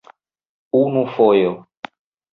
Unu fojo.